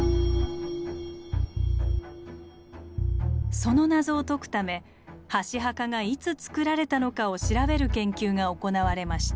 その謎を解くため箸墓がいつつくられたのかを調べる研究が行われました。